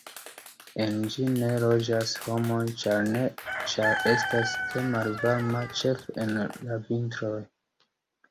En ĝi ne loĝas homoj, ĉar estas tre malvarma, ĉefe en la vintroj.